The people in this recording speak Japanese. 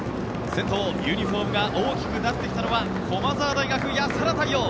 先頭、ユニホームが大きくなってきたのは駒澤大学、安原太陽。